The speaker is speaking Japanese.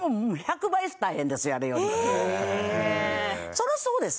そりゃそうです。